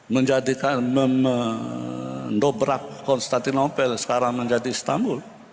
menjadikan menobrak konstantinopel sekarang menjadi istanbul